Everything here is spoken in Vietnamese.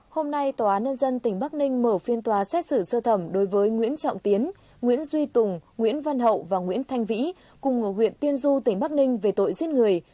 hôm nay tòa án nhân dân tỉnh bắc ninh mở phiên tòa xét xử sơ thẩm đối với nguyễn trọng tiến nguyễn duy tùng nguyễn văn hậu và nguyễn thanh vĩ cùng ở huyện tiên du tỉnh bắc ninh về tội giết người